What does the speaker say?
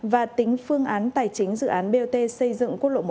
và tính phương án tài chính dự án bot xây dựng quốc lộ một